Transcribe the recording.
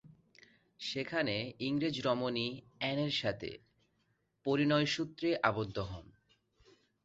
সেখানে ইংরেজ রমণী অ্যানের সাথে পরিণয়সূত্রে আবদ্ধ হন।